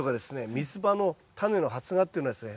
ミツバのタネの発芽っていうのはですね